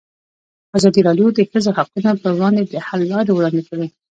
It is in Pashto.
ازادي راډیو د د ښځو حقونه پر وړاندې د حل لارې وړاندې کړي.